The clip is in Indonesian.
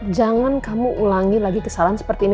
jangan kamu ulangi lagi kesalahan seperti ini